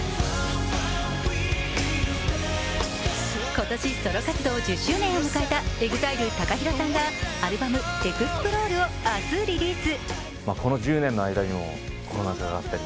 今年、ソロ活動１０周年を迎えたＥＸＩＬＥＴＡＫＡＨＩＲＯさんがアルバム「ＥＸＰＬＯＲＥ」を明日リリース。